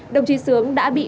đồng chí sướng đã bị